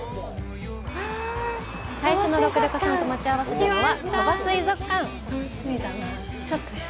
最初のロコレコさんと待ち合わせたのは鳥羽水族館。